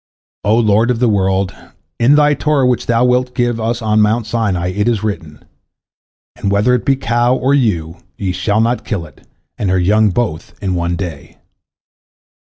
O Lord of the world, in Thy Torah which Thou wilt give us on Mount Sinai it is written, And whether it be cow or ewe, ye shall not kill it and her young both in one day.